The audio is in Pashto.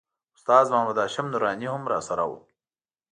استاد محمد هاشم نوراني هم راسره و.